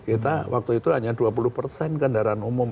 kita waktu itu hanya dua puluh persen kendaraan umum